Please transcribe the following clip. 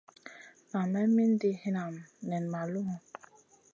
Nan me mindi hinanŋu nen ma lumu.